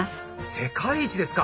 世界一ですか！